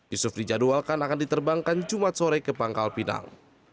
yusuf dijadwalkan akan diterbangkan jumat sore ke pangkal pinang